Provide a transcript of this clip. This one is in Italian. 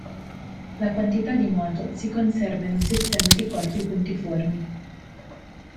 La quantità di moto si conserva in un sistema di corpi puntiformi.